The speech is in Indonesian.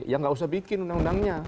ya nggak usah bikin undang undangnya